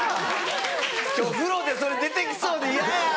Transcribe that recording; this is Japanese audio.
今日風呂でそれ出て来そうで嫌や！